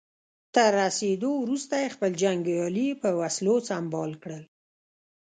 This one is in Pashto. تر رسېدو وروسته يې خپل جنګيالي په وسلو سمبال کړل.